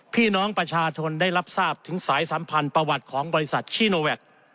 พี่น้องประชาชนได้รับทราบถึงสายสัมพันธ์ประวัติของบริษัทชีโนแวค